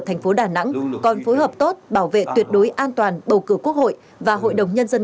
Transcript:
thành phố đà nẵng còn phối hợp tốt bảo vệ tuyệt đối an toàn bầu cử quốc hội và hội đồng nhân dân